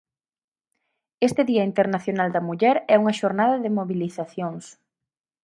Este día internacional da muller é unha xornada de mobilizacións.